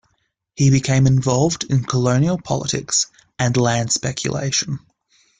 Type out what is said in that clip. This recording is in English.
He became involved in colonial politics and land speculation.